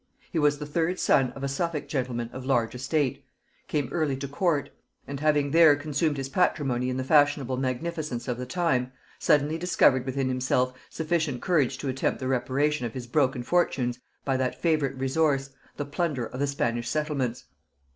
He was the third son of a Suffolk gentleman of large estate; came early to court; and having there consumed his patrimony in the fashionable magnificence of the time, suddenly discovered within himself sufficient courage to attempt the reparation of his broken fortunes by that favorite resource, the plunder of the Spanish settlements.